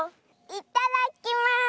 いただきます！